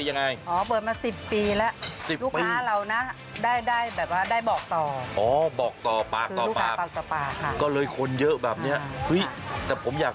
นั่งดูเค้าแกะไปแกะมา